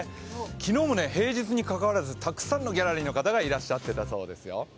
昨日も平日にかかわらずたくさんのギャラリーの方がいらっしゃっていたそうですよ。